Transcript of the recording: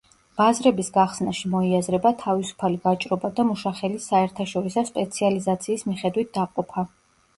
ბაზრების გახსნაში მოიაზრება თავისუფალი ვაჭრობა და მუშახელის საერთაშორისო სპეციალიზაციის მიხედვით დაყოფა.